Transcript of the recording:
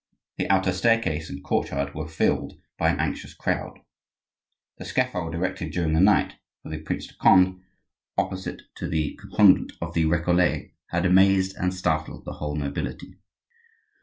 The outer staircase and courtyard were filled by an anxious crowd. The scaffold erected during the night for the Prince de Conde opposite to the convent of the Recollets, had amazed and startled the whole nobility.